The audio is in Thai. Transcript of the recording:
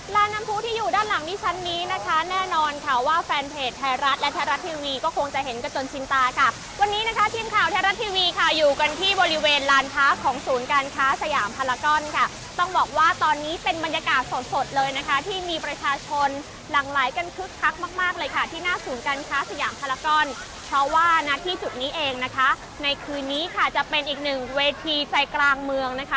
ร้านน้ำผู้ที่อยู่ด้านหลังที่ชั้นนี้นะคะแน่นอนค่ะว่าแฟนเพจไทยรัฐและไทยรัฐทีวีก็คงจะเห็นกระจนชินตากับวันนี้นะคะทีมข่าวไทยรัฐทีวีค่ะอยู่กันที่บริเวณร้านพักของศูนย์การค้าสยามพลากรค่ะต้องบอกว่าตอนนี้เป็นบรรยากาศสดเลยนะคะที่มีประชาชนหลังไหลกันคึกคักมากเลยค่ะที่หน้าศูนย์ก